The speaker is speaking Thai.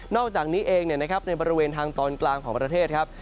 อกจากนี้เองในบริเวณทางตอนกลางของประเทศครับ